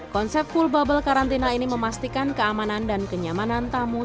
konsep full bubble karantina ini memastikan keamanan dan kenyamanan tamu